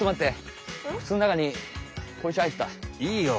いいよ。